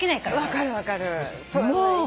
分かる分かる。